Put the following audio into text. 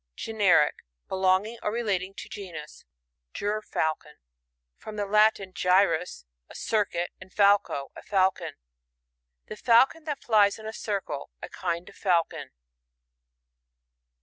Generic. — Belonging or relating to genus. Gbrfaixx>n. — From the Latin, j^rtis, a circuit, and falco^ a falcon. The falcon that flies in a circle. A kind of falcon.